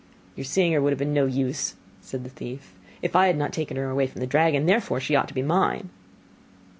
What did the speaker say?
'Your seeing her would have been of no use,' said the thief, 'if I had not taken her away from the dragon; therefore she ought to be mine.